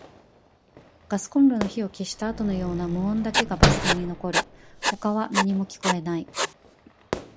ガスコンロの火を消したあとのような無音だけがバス停に残る。他は何も聞こえない。